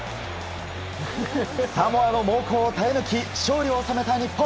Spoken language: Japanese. サモアの猛攻を耐え抜き勝利を収めた日本。